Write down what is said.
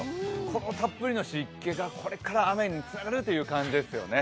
このたっぷりの湿気がこれから雨につながるという感じですよね。